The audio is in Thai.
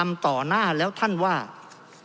เพราะเรามี๕ชั่วโมงครับท่านนึง